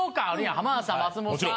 浜田さん松本さん。